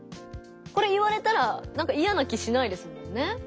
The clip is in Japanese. これ言われたらなんかいやな気しないですもんね。